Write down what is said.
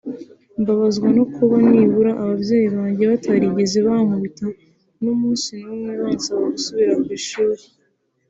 Mbabazwa no kuba nibura ababyeyi banjye batarigeze bankubita n’umunsi umwe bansaba gusubira ku ishuri